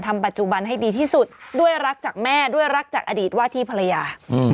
ปัจจุบันให้ดีที่สุดด้วยรักจากแม่ด้วยรักจากอดีตว่าที่ภรรยา